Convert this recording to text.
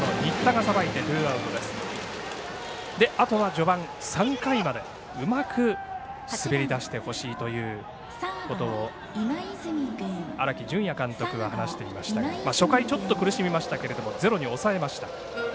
あとは序盤、３回までうまく滑り出してほしいということを荒木準也監督は話していましたが初回はちょっと苦しみましたけど０に抑えました。